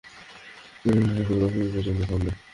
বাস এখানে দশ মিনিটের জন্য থামবে।